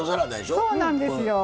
そうなんですよ。